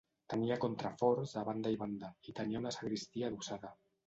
Tenia contraforts a banda i banda, i tenia una sagristia adossada.